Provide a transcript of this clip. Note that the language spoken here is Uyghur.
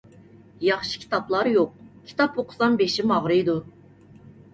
ياخشى كىتابلار يوق، كىتاب ئوقۇسام بېشىم ئاغرىيدۇ.